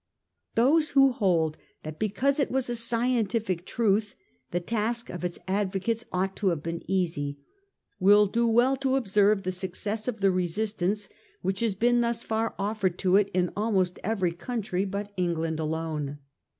Those who hold that because it was a scientific truth the task of its advocates ought to have been easy, will do well to observe the success of the resistance which has been thus far offered to it in almost every country but England alone.